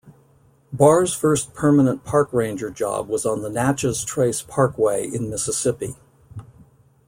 Barr's first permanent Park Ranger job was on the Natchez Trace Parkway in Mississippi.